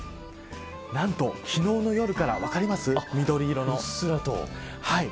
なんと昨日の夜から分かります、緑色の。